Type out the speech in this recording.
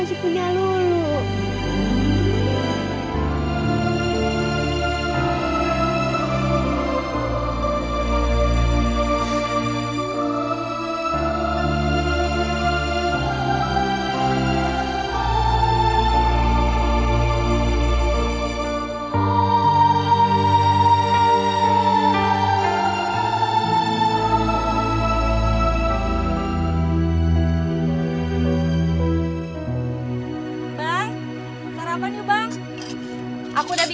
ibu gak usah nangis ya